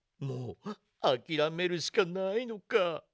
もうあきらめるしかないのか。